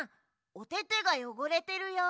おててがよごれてるよ。